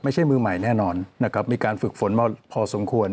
ไม่ใช่มือใหม่แน่นอนนะครับมีการฝึกฝนมาพอสมควร